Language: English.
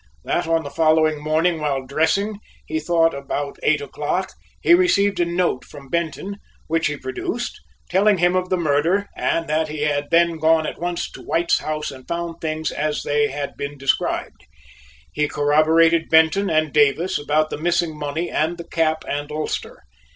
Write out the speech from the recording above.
That on the following morning while dressing, he thought about eight o'clock, he received a note from Benton, which he produced, telling him of the murder, and that he had then gone at once to White's house and found things as they had been described. He corroborated Benton and Davis about the missing money and the cap and ulster.